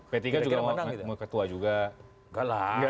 p tiga juga ketua juga